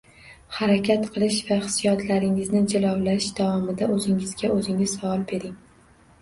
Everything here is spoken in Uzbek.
Harakat qilish va hissiyotlaringizni jilovlash davomida o’zingizga o’zingiz savol bering